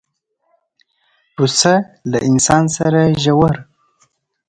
پسه له انسان سره ژور